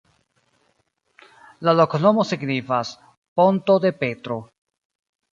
La loknomo signifas: ponto de Petro.